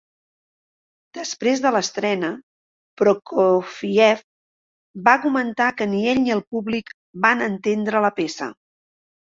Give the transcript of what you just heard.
Després de l'estrena, Prokofiev va comentar que ni ell ni el públic van entendre la peça.